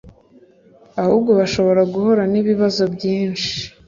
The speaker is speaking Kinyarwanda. Ahubwo bashobora guhura n’ibibazo byinshi